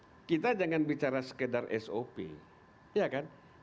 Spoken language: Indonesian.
bukan dengan bicara sekedar sop ya kan